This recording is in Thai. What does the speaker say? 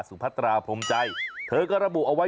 พัตราพรมใจเธอก็ระบุเอาไว้